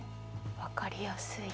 分かりやすい。